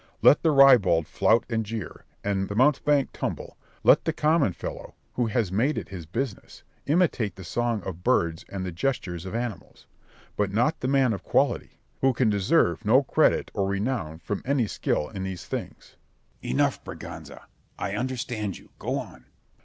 Let the ribald flout and jeer, the mountebank tumble,—let the common fellow, who has made it his business, imitate the song of birds and the gestures of animals, but not the man of quality, who can deserve no credit or renown from any skill in these things. Scip. Enough said, Berganza; I understand you; go on.